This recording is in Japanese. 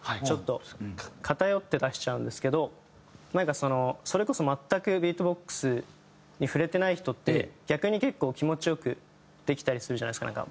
ちょっと偏って出しちゃうんですけどそれこそ全くビートボックスに触れてない人って逆に結構気持ち良くできたりするじゃないですか。